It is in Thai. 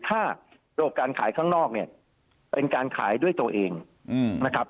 ถ้าระบบการขายข้างนอกเนี่ยเป็นการขายด้วยตัวเองนะครับ